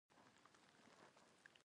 د دغه ځای هوا او چاپېریال ډېر جذاب دی.